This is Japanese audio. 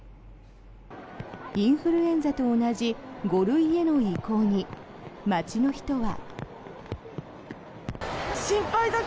インフルエンザと同じ５類への移行に街の人は。